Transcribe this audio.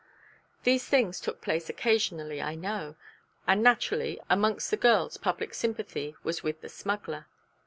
These things took place occasionally I know: and naturally, amongst the girls public sympathy was with the smuggler.